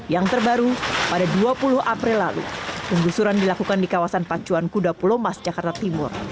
yang terbaru pada dua puluh april lalu penggusuran dilakukan di kawasan pacuan kuda pulau mas jakarta timur